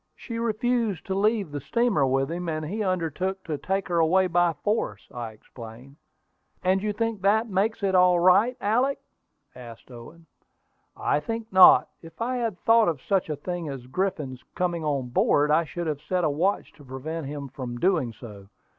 She refused to leave the steamer with him, and he undertook to take her away by force," I explained. "And you think that makes it all right, Alick?" asked Owen. "I think not. If I had thought of such a thing as Griffin's coming on board, I should have set a watch to prevent him from doing so.